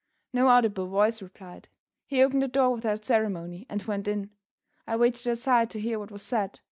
No audible voice replied. He opened the door without ceremony, and went in. I waited outside to hear what was said.